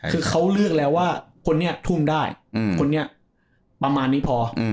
คือเขาเลือกแล้วว่าคนนี้ทุ่มได้คนนี้ประมาณนี้พอ